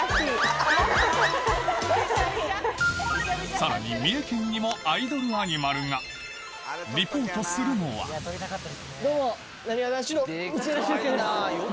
さらに三重県にもアイドルアニマルがリポートするのはどうもなにわ男子の道枝駿佑です。